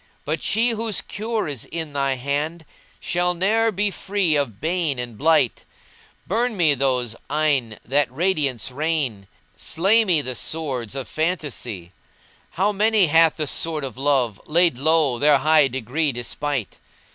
But she whose cure is in thy hand * Shall ne'er be free of bane and blight; Burn me those eyne that radiance rain * Slay me the swords of phantasy; How many hath the sword of Love * Laid low, their high degree despite?